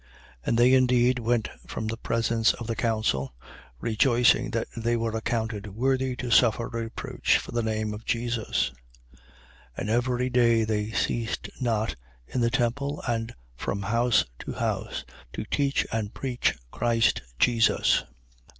5:41. And they indeed went from the presence of the council, rejoicing that they were accounted worthy to suffer reproach for the name of Jesus. 5:42. And every day they ceased not, in the temple and from house to house, to teach and preach Christ Jesus.